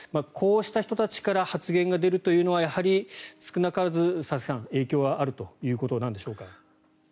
こうした人たちから発言が出るというのはやはり少なからず佐々木さん影響はあるということでしょうか？